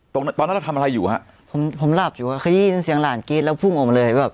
ตอนนั้นทำอะไรอยู่ผมหลับอยู่ครับเคยยี่ยินเสียงหลานกิลแล้วพุ่งโอมเลย